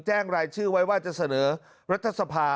แจ้งรายชื่อไว้ว่าจะเสนอรัฐธสภา๑๙๗๔